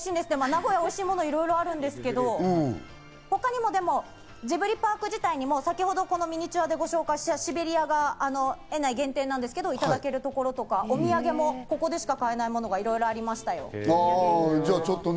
名古屋、おいしいものがいろいろあるんですけど、他にもジブリパーク自体にも先ほどミニチュアでご紹介したシベリアが園内限定なんですけど、いただけるところとか、お土産もここでしか買えないものがいろいろありましたよ。